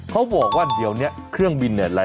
เขาบอกว่าเดี๋ยวนี้เครื่องบินเนี่ย